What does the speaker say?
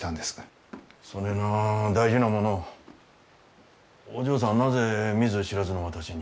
そねえな大事なものをお嬢さんはなぜ見ず知らずの私に？